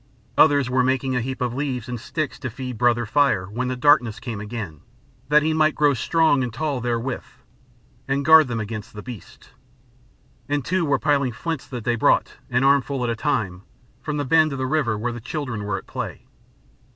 Others were making a heap of leaves and sticks to feed Brother Fire when the darkness came again, that he might grow strong and tall therewith, and guard them against the beasts. And two were piling flints that they brought, an armful at a time, from the bend of the river where the children were at play.